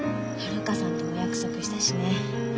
遙さんとも約束したしね。